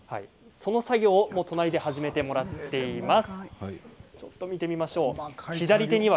その作業をもう隣で始めてもらっています。